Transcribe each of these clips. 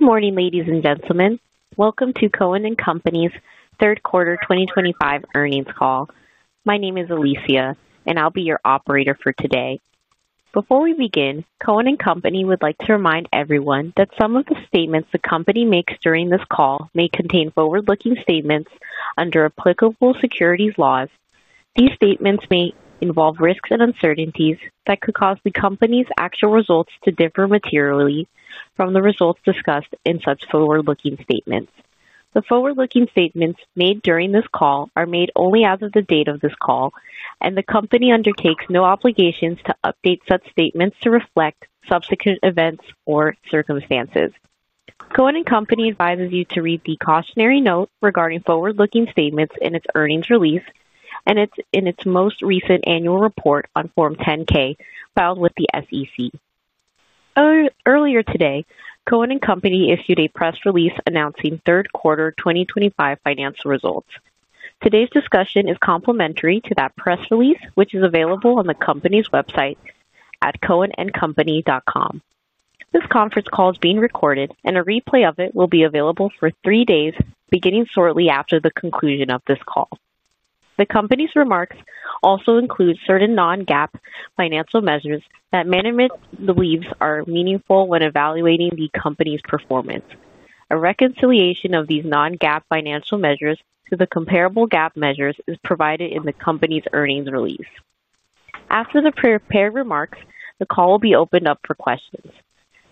Good morning, ladies and gentlemen. Welcome to Cohen & Company's Third Quarter 2025 Earnings Call. My name is Alicia, and I'll be your operator for today. Before we begin, Cohen & Company would like to remind everyone that some of the statements the company makes during this call may contain forward-looking statements under applicable securities laws. These statements may involve risks and uncertainties that could cause the company's actual results to differ materially from the results discussed in such forward-looking statements. The forward-looking statements made during this call are made only as of the date of this call, and the company undertakes no obligations to update such statements to reflect subsequent events or circumstances. Cohen & Company advises you to read the cautionary note regarding forward-looking statements in its earnings release and in its most recent annual report on Form 10-K filed with the SEC. Earlier today, Cohen & Company issued a press release announcing third quarter 2025 financial results. Today's discussion is complementary to that press release, which is available on the company's website at cohenandcompany.com. This conference call is being recorded, and a replay of it will be available for three days beginning shortly after the conclusion of this call. The company's remarks also include certain non-GAAP financial measures that management believes are meaningful when evaluating the company's performance. A reconciliation of these non-GAAP financial measures to the comparable GAAP measures is provided in the company's earnings release. After the prepared remarks, the call will be opened up for questions.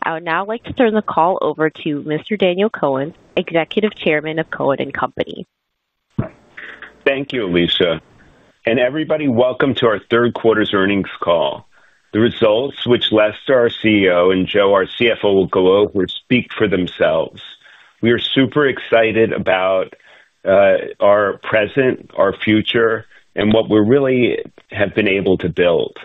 I would now like to turn the call over to Mr. Daniel Cohen, Executive Chairman of Cohen & Company. Thank you, Alicia. And everybody, welcome to our Third quarter's Earnings Call. The results, which Lester, our CEO, and Joe, our CFO, will go over, speak for themselves. We are super excited about our present, our future, and what we really have been able to build.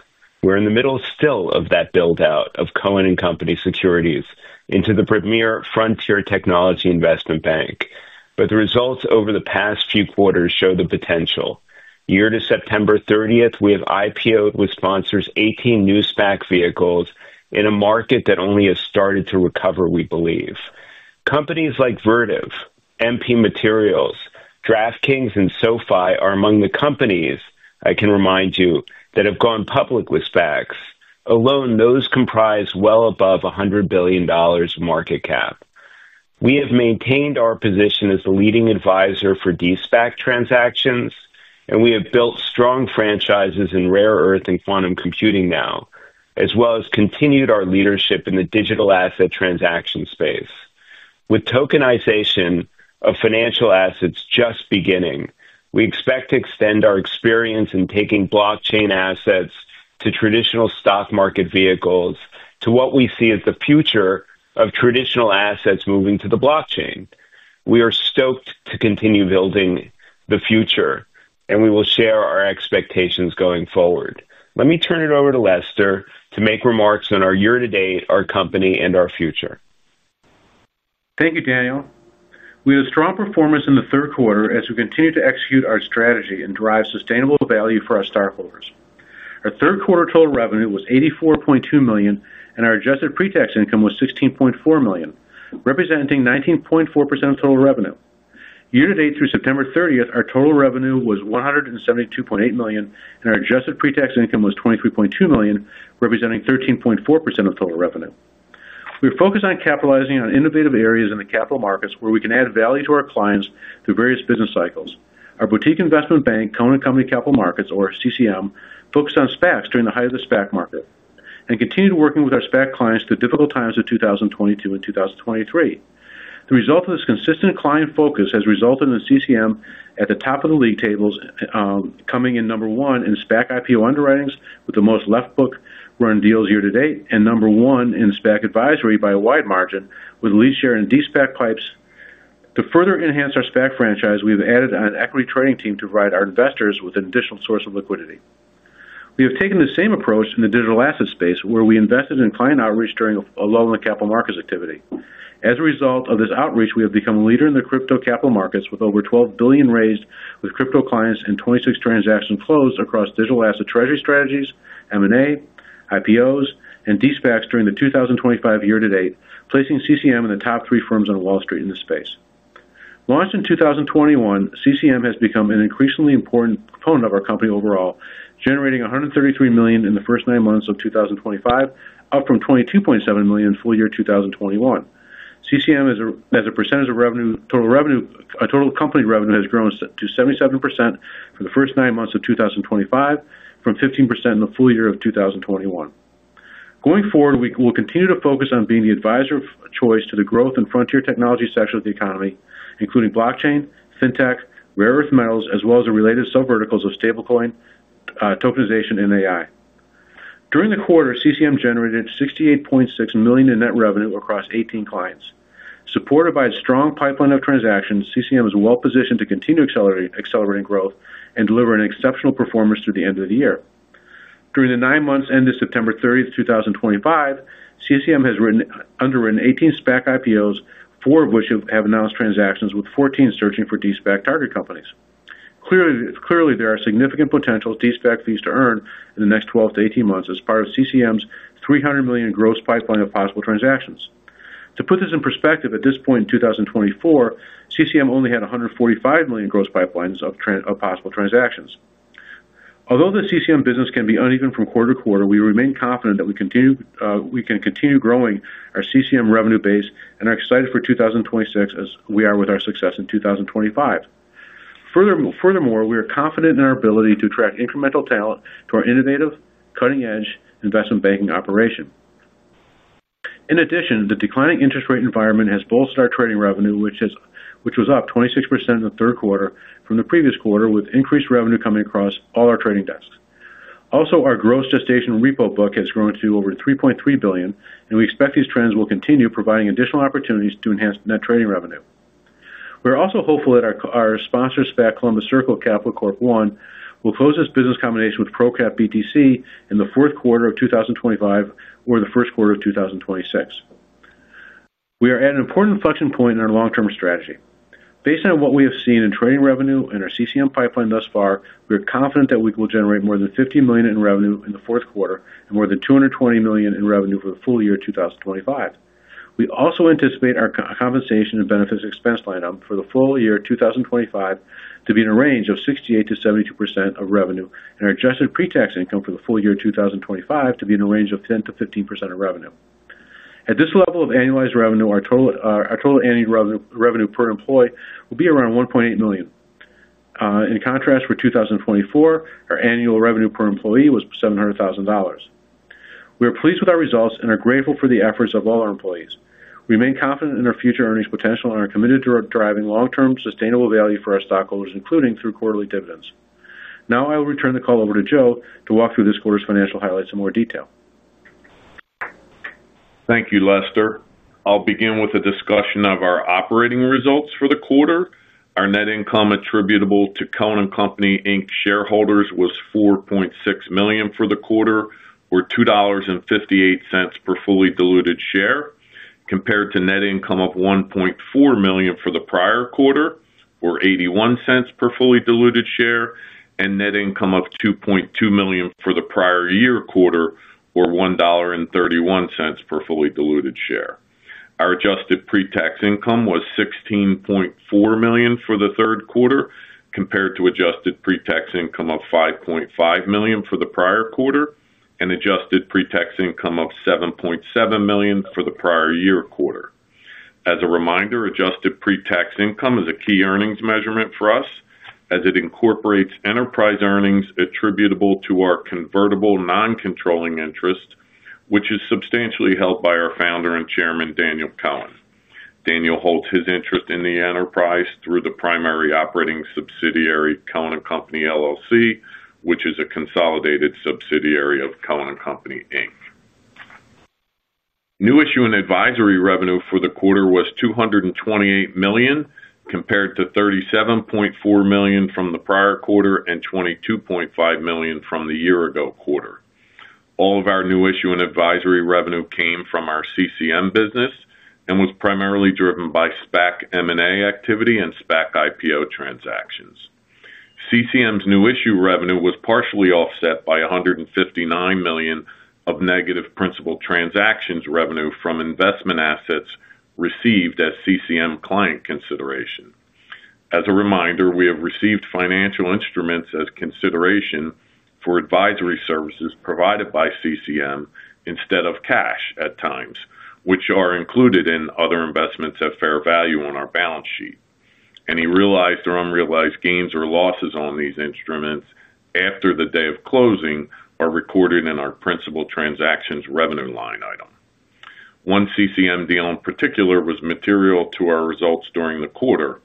We're in the middle still of that build-out of Cohen & Company securities into the premier frontier technology investment bank. But the results over the past few quarters show the potential. Year to September 30th, we have IPO'd with sponsors 18 new SPAC vehicles in a market that only has started to recover, we believe. Companies like Vertiv, MP Materials, DraftKings, and SoFi are among the companies, I can remind you, that have gone public with SPACs. Alone, those comprise well above $100 billion market cap. We have maintained our position as the leading advisor for de-SPAC transactions, and we have built strong franchises in Rare Earth and Quantum Computing now, as well as continued our leadership in the digital asset transaction space. With tokenization of financial assets just beginning, we expect to extend our experience in taking blockchain assets to traditional stock market vehicles to what we see as the future of traditional assets moving to the blockchain. We are stoked to continue building the future, and we will share our expectations going forward. Let me turn it over to Lester to make remarks on our year to date, our company, and our future. Thank you, Daniel. We had a strong performance in the third quarter as we continued to execute our strategy and drive sustainable value for our stockholders. Our third quarter total revenue was $84.2 million, and our adjusted pre-tax income was $16.4 million, representing 19.4% of total revenue. Year to date through September 30th, our total revenue was $172.8 million, and our adjusted pre-tax income was $23.2 million, representing 13.4% of total revenue. We are focused on capitalizing on innovative areas in the capital markets where we can add value to our clients through various business cycles. Our boutique investment bank, Cohen & Company Capital Markets, or CCM, focused on SPACs during the height of the SPAC market and continued working with our SPAC clients through the difficult times of 2022 and 2023. The result of this consistent client focus has resulted in CCM at the top of the league tables, coming in number 1 in SPAC IPO underwritings with the most left-book run deals year to date and number 1 in SPAC advisory by a wide margin with a lead share in de-SPAC PIPEs. To further enhance our SPAC franchise, we have added an equity trading team to provide our investors with an additional source of liquidity. We have taken the same approach in the digital asset space where we invested in client outreach during a lull in the capital markets activity. As a result of this outreach, we have become a leader in the crypto capital markets with over $12 billion raised with crypto clients and 26 transactions closed across digital asset treasury strategies, M&A, IPOs, and de-SPACs during the 2025 year to date, placing CCM in the top 3 firms on Wall Street in this space. Launched in 2021, CCM has become an increasingly important component of our company overall, generating $133 million in the first nine months of 2025, up from $22.7 million in full year 2021. CCM, as a percentage of total company revenue, has grown to 77% for the first nine months of 2025, from 15% in the full year of 2021. Going forward, we will continue to focus on being the advisor of choice to the growth and frontier technology section of the economy, including blockchain, fintech, rare earth metals, as well as the related sub-verticals of stablecoin, tokenization, and AI. During the quarter, CCM generated $68.6 million in net revenue across 18 clients. Supported by a strong pipeline of transactions, CCM is well positioned to continue accelerating growth and deliver an exceptional performance through the end of the year. During the nine months ended September 30th, 2025, CCM has underwritten 18 SPAC IPOs, four of which have announced transactions, with 14 searching for de-SPAC target companies. Clearly, there are significant potential de-SPAC fees to earn in the next 12 to 18 months as part of CCM's $300 million gross pipeline of possible transactions. To put this in perspective, at this point in 2024, CCM only had $145 million gross pipeline of possible transactions. Although the CCM business can be uneven from quarter to quarter, we remain confident that we can continue growing our CCM revenue base and are excited for 2026 as we are with our success in 2025. Furthermore, we are confident in our ability to attract incremental talent to our innovative, cutting-edge investment banking operation. In addition, the declining interest rate environment has bolstered our trading revenue, which was up 26% in the third quarter from the previous quarter, with increased revenue coming across all our trading desks. Also, our gross gestation repo book has grown to over $3.3 billion, and we expect these trends will continue, providing additional opportunities to enhance net trading revenue. We are also hopeful that our sponsor SPAC, Columbus Circle Capital Corp. I, will close this business combination with ProCap BTC in the fourth quarter of 2025 or the first quarter of 2026. We are at an important inflection point in our long-term strategy. Based on what we have seen in trading revenue and our CCM pipeline thus far, we are confident that we will generate more than $50 million in revenue in the fourth quarter and more than $220 million in revenue for the full year of 2025. We also anticipate our compensation and benefits expense lineup for the full year of 2025 to be in a range of 68%-72% of revenue, and our adjusted pre-tax income for the full year of 2025 to be in a range of 10%-15% of revenue. At this level of annualized revenue, our total annual revenue per employee will be around $1.8 million. In contrast, for 2024, our annual revenue per employee was $700,000. We are pleased with our results and are grateful for the efforts of all our employees. We remain confident in our future earnings potential and are committed to driving long-term sustainable value for our stockholders, including through quarterly dividends. Now, I will return the call over to Joe to walk through this quarter's financial highlights in more detail. Thank you, Lester. I'll begin with a discussion of our operating results for the quarter. Our net income attributable to Cohen & Company Inc. shareholders was $4.6 million for the quarter, or $2.58 per fully diluted share, compared to net income of $1.4 million for the prior quarter, or $0.81 per fully diluted share, and net income of $2.2 million for the prior year quarter, or $1.31 per fully diluted share. Our adjusted pre-tax income was $16.4 million for the third quarter, compared to adjusted pre-tax income of $5.5 million for the prior quarter and adjusted pre-tax income of $7.7 million for the prior year quarter. As a reminder, adjusted pre-tax income is a key earnings measurement for us, as it incorporates enterprise earnings attributable to our convertible non-controlling interest, which is substantially held by our founder and chairman, Daniel Cohen. Daniel holds his interest in the enterprise through the primary operating subsidiary, Cohen & Company LLC, which is a consolidated subsidiary of Cohen & Company Inc. New issue and advisory revenue for the quarter was $228 million, compared to $37.4 million from the prior quarter and $22.5 million from the year-ago quarter. All of our new issue and advisory revenue came from our CCM business and was primarily driven by SPAC M&A activity and SPAC IPO transactions. CCM's new issue revenue was partially offset by $159 million of negative principal transactions revenue from investment assets received as CCM client consideration. As a reminder, we have received financial instruments as consideration for advisory services provided by CCM instead of cash at times, which are included in other investments at fair value on our balance sheet. Any realized or unrealized gains or losses on these instruments after the day of closing are recorded in our principal transactions revenue line item. One CCM deal in particular was material to our results during the quarter.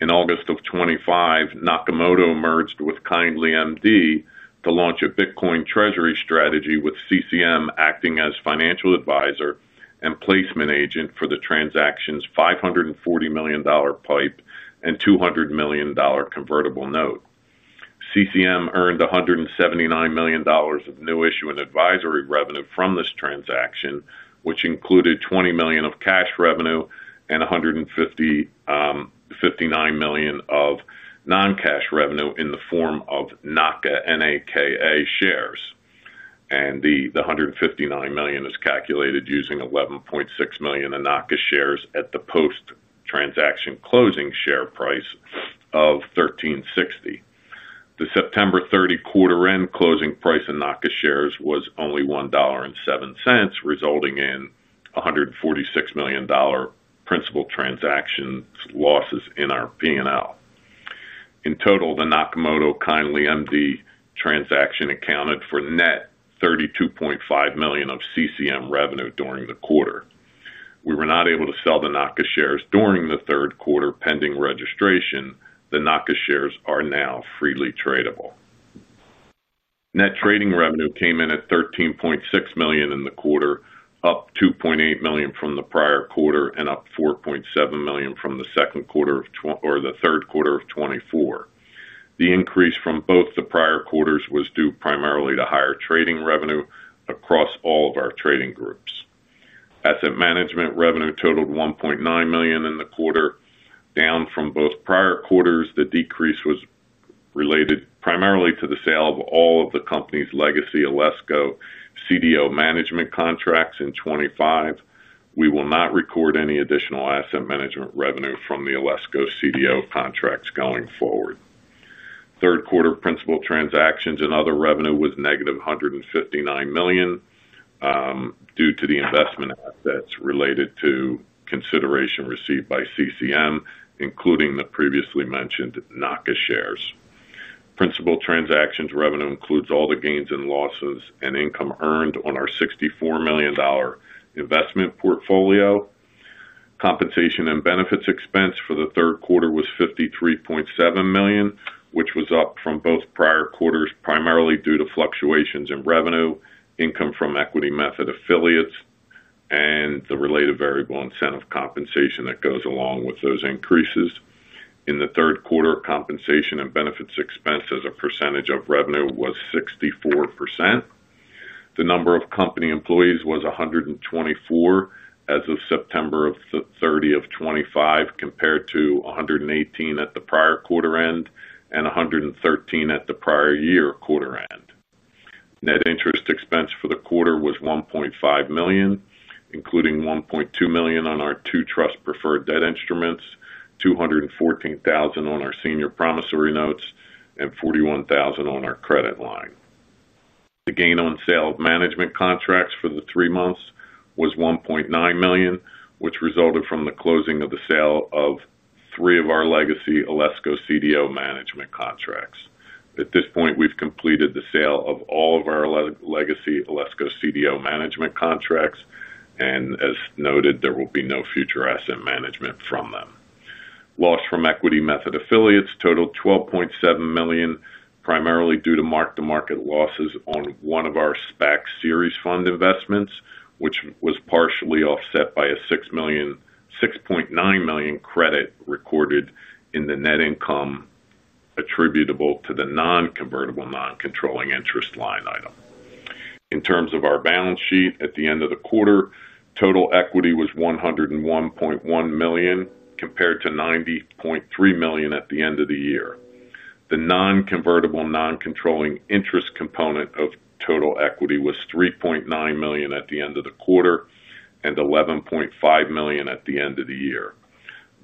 In August 2025, Nakamoto merged with Kindly MD to launch a Bitcoin treasury strategy, with CCM acting as financial advisor and placement agent for the transaction's $540 million PIPE and $200 million convertible note. CCM earned $179 million of new issue and advisory revenue from this transaction, which included $20 million of cash revenue and $159 million of non-cash revenue in the form of NAKA, NAKA, shares. And the $159 million is calculated using 11.6 million NAKA shares at the post-transaction closing share price of $13.60. The September 30 quarter-end closing price in NAKA shares was only $1.07, resulting in $146 million principal transaction losses in our P&L. In total, the Nakamoto Kindly MD transaction accounted for net $32.5 million of CCM revenue during the quarter. We were not able to sell the NAKA shares during the third quarter pending registration. The NAKA shares are now freely tradable. Net trading revenue came in at $13.6 million in the quarter, up $2.8 million from the prior quarter and up $4.7 million from the third quarter of 2024. The increase from both the prior quarters was due primarily to higher trading revenue across all of our trading groups. Asset management revenue totaled $1.9 million in the quarter, down from both prior quarters. The decrease was related primarily to the sale of all of the company's legacy Alesco CDO management contracts in 2025. We will not record any additional asset management revenue from the Alesco CDO contracts going forward. Third quarter principal transactions and other revenue was negative $159 million due to the investment assets related to consideration received by CCM, including the previously mentioned NAKA shares. Principal transactions revenue includes all the gains and losses and income earned on our $64 million investment portfolio. Compensation and benefits expense for the third quarter was $53.7 million, which was up from both prior quarters primarily due to fluctuations in revenue, income from equity method affiliates, and the related variable incentive compensation that goes along with those increases. In the third quarter, compensation and benefits expense as a percentage of revenue was 64%. The number of company employees was 124 as of September 30th, 2025, compared to 118 at the prior quarter-end and 113 at the prior year quarter-end. Net interest expense for the quarter was $1.5 million, including $1.2 million on our two trust-preferred debt instruments, $214,000 on our senior promissory notes, and $41,000 on our credit line. The gain on sale of management contracts for the three months was $1.9 million, which resulted from the closing of the sale of three of our legacy Alesco CDO management contracts. At this point, we have completed the sale of all of our legacy Alesco CDO management contracts, and as noted, there will be no future asset management from them. Loss from equity method affiliates totaled $12.7 million, primarily due to mark-to-market losses on one of our SPAC series fund investments, which was partially offset by a $6.9 million credit recorded in the net income attributable to the non-convertible non-controlling interest line item. In terms of our balance sheet, at the end of the quarter, total equity was $101.1 million compared to $90.3 million at the end of the year. The non-convertible non-controlling interest component of total equity was $3.9 million at the end of the quarter and $11.5 million at the end of the year.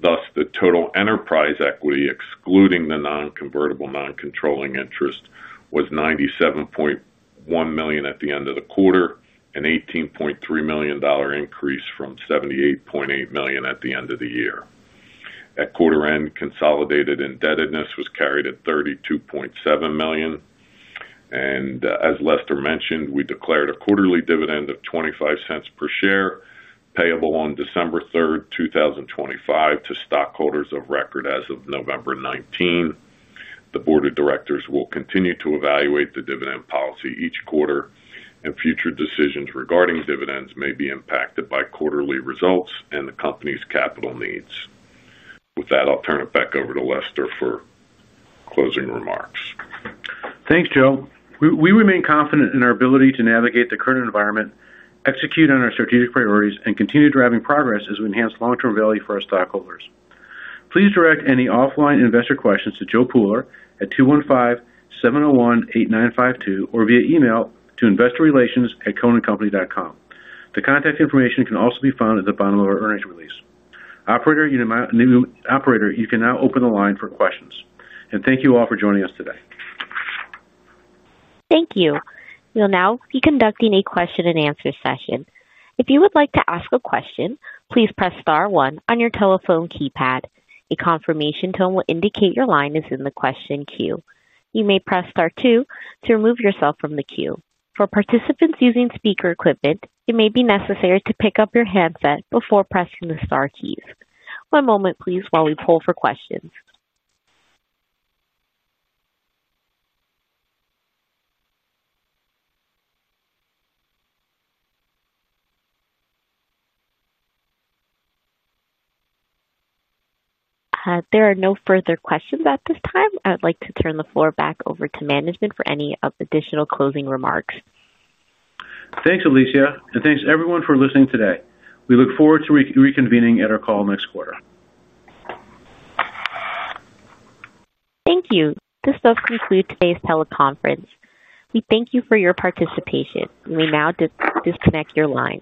Thus, the total enterprise equity, excluding the non-convertible non-controlling interest, was $97.1 million at the end of the quarter, an $18.3 million increase from $78.8 million at the end of the year. At quarter-end, consolidated indebtedness was carried at $32.7 million. And as Lester mentioned, we declared a quarterly dividend of $0.25 per share, payable on December 3, 2025, to stockholders of record as of November 19. The board of directors will continue to evaluate the dividend policy each quarter, and future decisions regarding dividends may be impacted by quarterly results and the company's capital needs. With that, I'll turn it back over to Lester for closing remarks. Thanks, Joe. We remain confident in our ability to navigate the current environment, execute on our strategic priorities, and continue driving progress as we enhance long-term value for our stockholders. Please direct any offline investor questions to Joe Pooler at 215-701-8952 or via email to investorrelations@cohenandcompany.com. The contact information can also be found at the bottom of our earnings release. Operator. You can now open the line for questions. And thank you all for joining us today. Thank you. We'll now be conducting a question-and-answer session. If you would like to ask a question, please press Star 1 on your telephone keypad. A confirmation tone will indicate your line is in the question queue. You may press Star 2 to remove yourself from the queue. For participants using speaker equipment, it may be necessary to pick up your handset before pressing the Star keys. One moment, please, while we poll for questions. There are no further questions at this time. I would like to turn the floor back over to management for any additional closing remarks. Thanks, Alicia. And thanks, everyone, for listening today. We look forward to reconvening at our call next quarter. Thank you. This does conclude today's teleconference. We thank you for your participation. You may now disconnect your line.